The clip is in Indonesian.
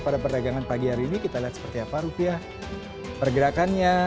pada perdagangan pagi hari ini kita lihat seperti apa rupiah pergerakannya